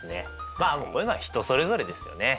まあこういうのは人それぞれですよね。